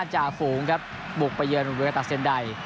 จากฝั่งปลูกไปเยือนตรงเวอร์ตาเซ็นดัย